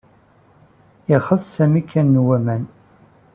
Ixes Sami ka n waman.